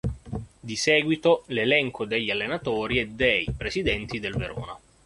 Di seguito l'elenco degli allenatori e dei presidenti del Verona.